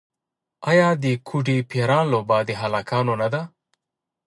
آیا د ګوډي پران لوبه د هلکانو نه ده؟